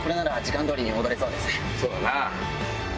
そうだな。